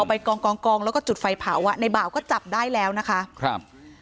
ไปกองกองแล้วก็จุดไฟเผาอ่ะในบ่าวก็จับได้แล้วนะคะครับ